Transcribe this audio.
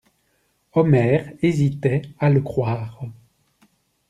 Omer hésitait à le croire.